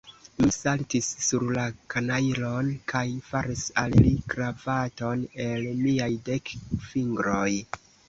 Mi saltis sur la kanajlon, kaj faris al li kravaton el miaj dek fingroj.